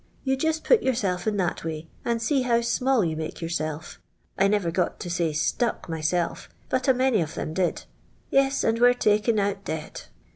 Y'ou just pot yourself in that way, and see how small yon make yourself. I niver got to say stuck myself^ I but a many of theni did ; yes. and were taken ; out dea l.